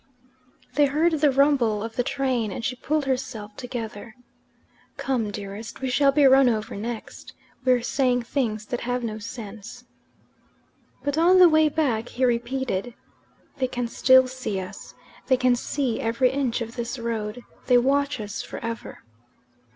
They heard the rumble of the train, and she pulled herself together. "Come, dearest, we shall be run over next. We're saying things that have no sense." But on the way back he repeated: "They can still see us. They can see every inch of this road. They watch us for ever."